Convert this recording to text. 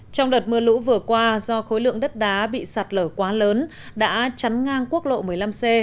trong đợt mưa lũ vừa qua do khối lượng đất đá bị sạt lở quá lớn đã chắn ngang quốc lộ một mươi năm c